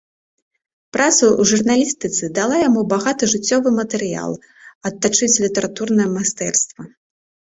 Праца ў журналістыцы дала яму багаты жыццёвы матэрыял, адтачыць літаратурнае майстэрства.